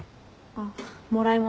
あっもらい物。